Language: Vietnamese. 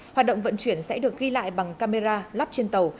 hoạt động vận chuyển sẽ được ghi lại bằng camera lắp trên tàu